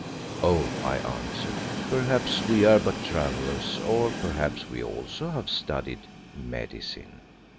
"Oh!" I answered, "perhaps we are but travellers, or perhaps we also have studied medicine."